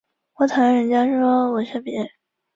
三脉紫麻为荨麻科长梗紫麻属下的一个种。